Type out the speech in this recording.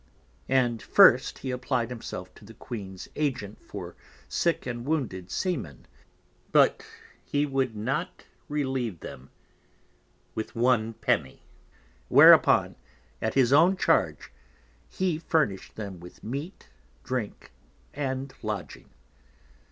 And first he applied himself to the Queen's Agent for Sick and Wounded Seamen, but he would not relieve them with One Penny, whereupon, at his own Charge, he furnish'd them with Meat, Drink and Lodging.